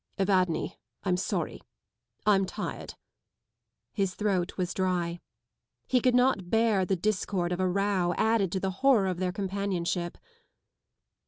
" Evadne, I'm sorry. I'm tired." His throat was dry. He could not bear the discord of a row added to the horror of their companionship.